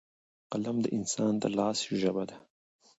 قلم د انسان د لاس ژبه ده.